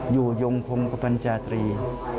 อยู่ยงพงกระปัญจาตรี